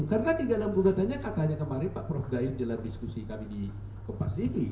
karena di dalam gugatannya katanya kemarin pak prof gayun dalam diskusi kami di kepas tv